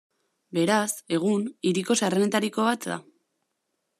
Beraz, egun, hiriko zaharrenetariko bat da.